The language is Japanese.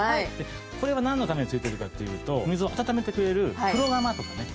これはなんのために付いているかというと水を温めてくれる風呂釜とかね